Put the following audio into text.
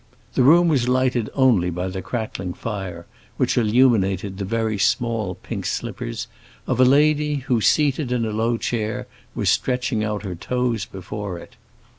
The room was lighted only by the crackling fire, which illuminated the very small pink slippers of a lady who, seated in a low chair, was stretching out her toes before it.